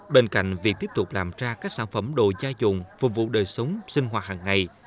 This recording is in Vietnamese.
bên cạnh việc tiếp tục làm ra các sản phẩm đồ gia dụng phục vụ đời sống sinh hoạt hàng ngày